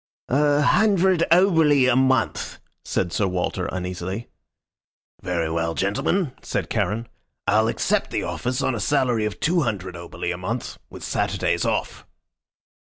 "A hundred oboli a month," said Sir Walter, uneasily. "Very well, gentlemen," said Charon. "I'll accept the office on a salary of two hundred oboli a month, with Saturdays off."